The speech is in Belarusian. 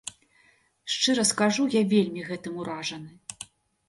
Шчыра скажу, я вельмі гэтым уражаны.